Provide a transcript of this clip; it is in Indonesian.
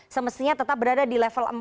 semestinya tetap berada di level empat